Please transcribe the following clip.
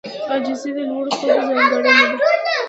عاجزي د لوړو خلکو ځانګړنه ده.